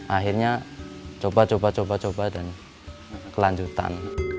akhirnya coba coba coba dan kelanjutan